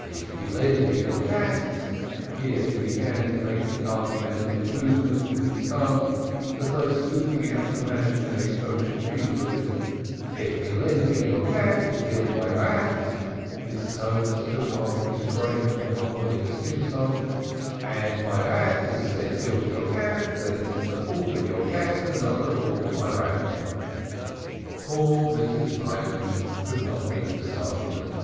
If you lend me your cat" here he began to make the argumentative movement with his thumb, as though scooping out imaginary kosher cheese with it; "If you lend me your cat to kill my rat," his tones took on the strange Talmudic singsong "and my rat instead kills your cat, then it is the fault of your cat and not the fault of my rat." Poor Mrs. Hyams could not meet this argument.